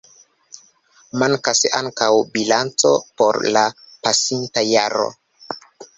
Mankas ankaŭ bilanco por la pasinta jaro.